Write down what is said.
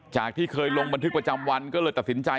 ที่เคยลงบันทึกประจำวันก็เลยตัดสินใจ